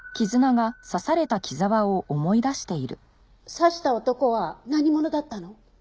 刺した男は何者だったの？